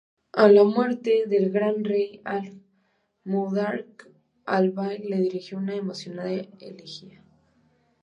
A la muerte del gran rey Al-Muqtadir, Al-Bayi le dirigió una emocionada elegía.